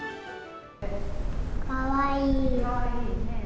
かわいいー！